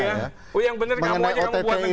oh yang benar kamu aja yang membuat negara sendiri